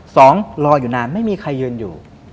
รออยู่นานไม่มีใครยืนอยู่